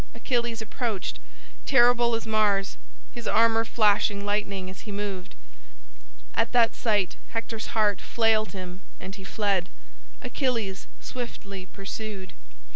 Achilles approached, terrible as Mars, his armor flashing lightning as he moved. At that sight Hector's heart failed him and he fled. Achilles swiftly pursued.